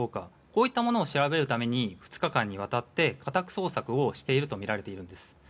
こういったものを調べるために２日間にわたって家宅捜索をしているとみられているんです。